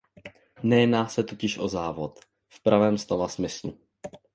Nejedná se totiž o závod v pravém slova smyslu.